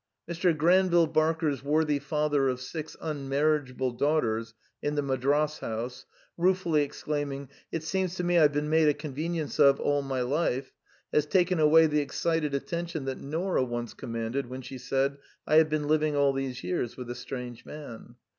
Mr. Granville Barker's worthy father of sbc unmarriageable daughters in The Madras House, ruefully exclaiming, '^ It seems to me I 've been made a convenience of all my life," has taken away the excited attention that Nora once com manded when she said, '^ I have been living all these years with a strange man."